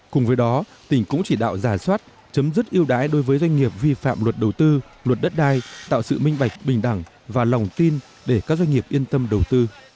cùng với đó tỉnh cũng chỉ đạo giả soát chấm dứt yêu đái đối với doanh nghiệp vi phạm luật đầu tư luật đất đai tạo sự minh bạch bình đẳng và lòng tin để các doanh nghiệp yên tâm đầu tư